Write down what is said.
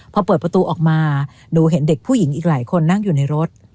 พอเปิดประตูออกมาหนูเห็นเด็กผู้หญิงอีกหลายคนนั่งอยู่ในรถ